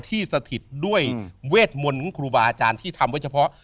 ที่สถิตย์ด้วยเวทมนต์ของเขาที่ทำเฉพาะ